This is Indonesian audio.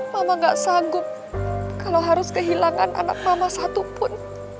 mama gak sanggup kalau harus kehilangan anak mama satupun